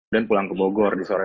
dan pulang ke bogor di sore